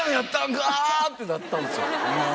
ってなったんですよ。